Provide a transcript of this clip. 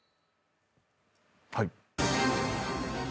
はい。